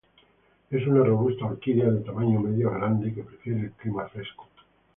Es una robusta orquídea de tamaño medio a grande que prefiere el clima fresco.